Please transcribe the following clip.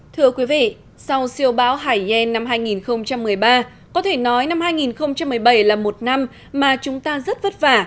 thưa quý vị sau siêu bão hải yen năm hai nghìn một mươi ba có thể nói năm hai nghìn một mươi bảy là một năm mà chúng ta rất vất vả